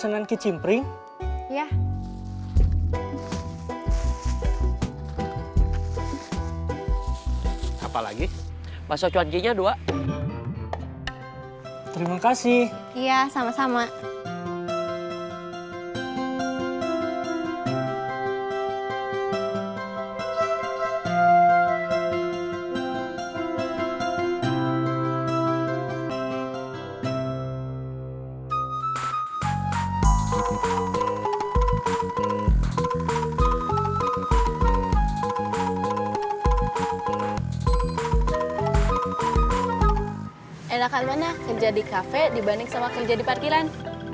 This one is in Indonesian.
enakan mana kerja di kafe dibanding sama kerja di parkiran